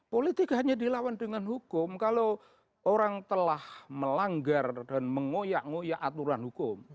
politik hanya dilawan dengan hukum kalau orang telah melanggar dan mengoyak ngoyak aturan hukum